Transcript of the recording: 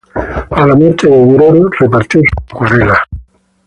A la muerte de Durero, repartió sus acuarelas.